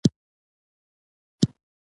له متعالي عوالمو سره یې مخ کوي.